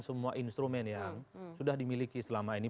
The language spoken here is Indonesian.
semua instrumen yang sudah dimiliki selama ini